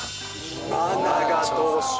今永投手。